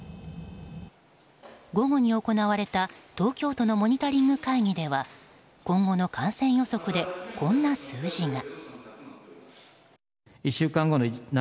午後に行われた東京都のモニタリング会議では今後の感染予測でこんな数字が。